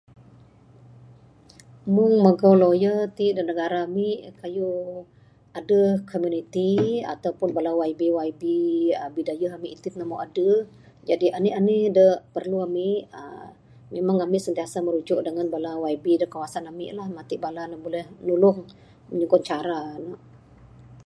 Meng magau lawyer ti da negara ami kayuh adeh komuniti ato pun YB YB uhh bidayuh itin ami meh adeh, Jadi anih anih da perlu ami uhh memang ami sentiasa perlu merujuk YB da kawasan ami lah matik bala ne buleh nulung nyugon cara ne.